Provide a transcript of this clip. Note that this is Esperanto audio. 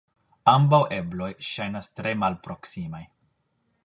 Ambaŭ ebloj ŝajnas tre malproksimaj.